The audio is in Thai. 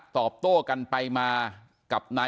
ก็ได้รู้สึกว่ามันกลายเป้าหมาย